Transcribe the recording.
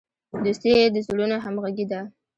دوستي د زړونو همغږي ده.